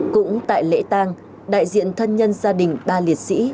cũng tại lễ tàng đại diện thân nhân gia đình ba liệt sĩ